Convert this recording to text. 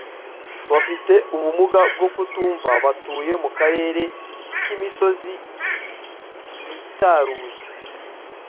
bafite ubumuga bwo kutumva batuye mu karere k imisozi yitaruye